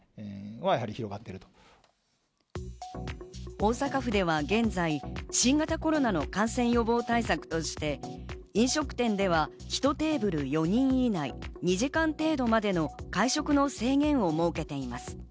大阪府では現在、新型コロナの感染予防対策として飲食店では１テーブル４人以内、２時間程度までの会食の制限を設けています。